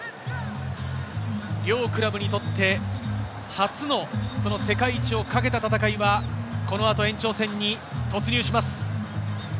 両クラブにとって初の世界一を懸けた戦いはこの後、延長戦に突入します。